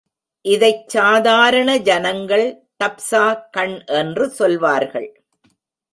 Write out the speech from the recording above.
இதைச் சாதாரண ஜனங்கள் டப்ஸா கண் என்று சொல்வார்கள்.